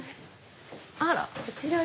あら！